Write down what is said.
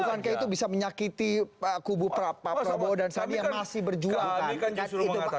bukan kayak itu bisa menyakiti pak kubu prabowo dan saya yang masih berjuang